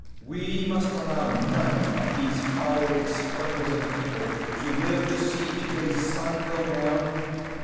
We must allow none of these foul exploiters of the people live to see today's sun go down...."